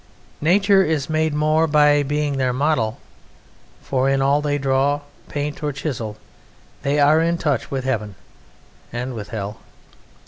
Nature is made more by being their model, for in all they draw, paint, or chisel they are in touch with heaven and with hell....